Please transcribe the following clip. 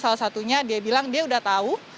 salah satunya dia bilang dia udah tahu